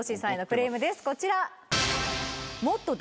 こちら。